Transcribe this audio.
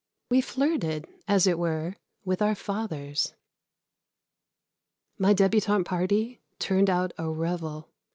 We flirted, as it were, with our fathers. My débutante party turned out a revel.